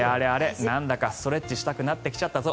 なんだかストレッチしたくなってきたぞ。